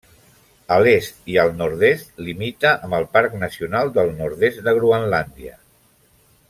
A l'est i al nord-est limita amb el Parc Nacional del Nord-est de Groenlàndia.